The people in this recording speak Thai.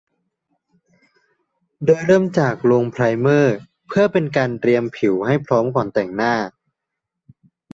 โดยเริ่มจากลงไพรเมอร์เพื่อเป็นการเตรียมผิวให้พร้อมก่อนการแต่งหน้า